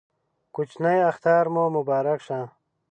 کوچینۍ اختر مو مبارک شه